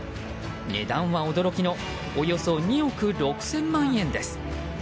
値段は驚きのおよそ２億６０００万円です。